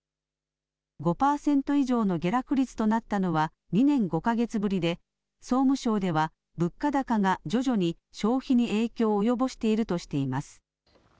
５％以上の下落率となったのは２年５か月ぶりで、総務省では物価高が徐々に消費に影響を及ぼしているとしています。